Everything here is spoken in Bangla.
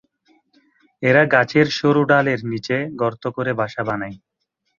এরা গাছের সরু ডালের নিচে গর্ত করে বাসা বানায়।